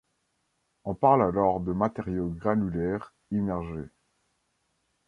On parle alors de matériaux granulaires immergés.